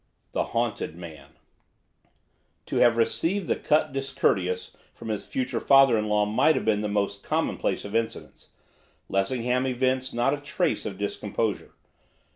THE HAUNTED MAN To have received the cut discourteous from his future father in law might have been the most commonplace of incidents, Lessingham evinced not a trace of discomposure.